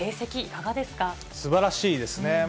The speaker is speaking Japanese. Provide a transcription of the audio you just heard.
すばらしいですね。